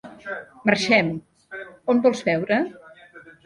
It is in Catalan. Marxem. On vols veure?